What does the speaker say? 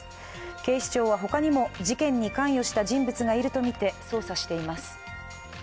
警視庁は他にも事件に関与した人物がいるとみて捜査しています。